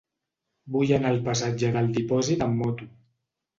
Vull anar al passatge del Dipòsit amb moto.